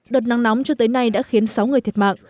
đợt nắng nóng cho tới nay đã khiến sáu người thiệt mạng